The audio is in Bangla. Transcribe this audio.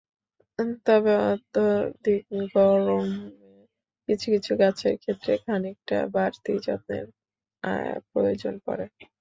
তবে অত্যধিক গরমে কিছু কিছু গাছের ক্ষেত্রে খানিকটা বাড়তি যত্নের প্রয়োজন পড়ে।